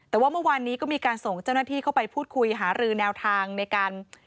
แต่ว่าเมื่อวานนี้ก็มีการส่งเจ้าหน้าที่เข้าไปพูดคุยหารือแนวทางในการ